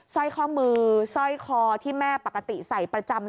สร้อยข้อมือสร้อยคอที่แม่ปกติใส่ประจำ